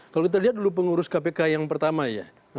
kalau kita lihat dulu pengurus kpk yang pertama ya